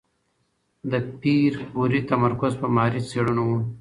د پېیر کوري تمرکز په ماري څېړنو و.